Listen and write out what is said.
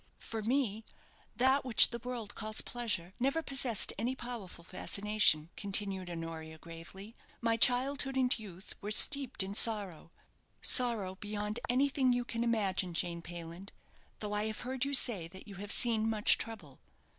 "For me, that which the world calls pleasure never possessed any powerful fascination," continued Honoria, gravely. "My childhood and youth were steeped in sorrow sorrow beyond anything you can imagine, Jane Payland; though I have heard you say that you have seen much trouble.